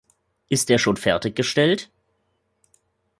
Ist er schon fertig gestellt?